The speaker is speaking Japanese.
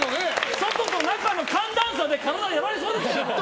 外と中の寒暖差で体がやられそうですよ。